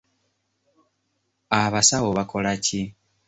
Abasawo bakola ki?